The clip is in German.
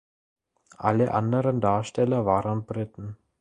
Alle anderen Darsteller waren Briten.